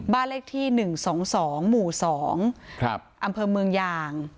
บ้านเลขที่๑๒๒หมู่๒อำเภอเมืองยาง